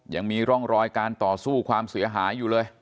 ยังมีร่องรอยการต่อสู้ความเสียหายอยู่เลย